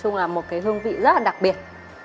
chung là một cái hương vị rất là đặc biệt